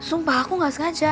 sumpah aku nggak sengaja